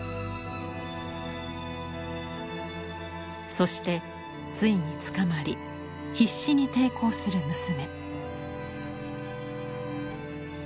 そしてついに捕まり必死に抵抗する娘。